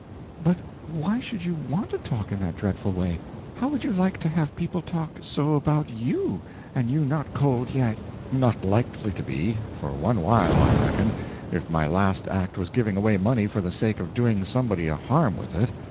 "But why should you _want _to talk in that dreadful way? How would you like to have people talk so about you, and you not cold yet?" "Not likely to be, for _one _while, I reckon, if my last act was giving away money for the sake of doing somebody a harm with it.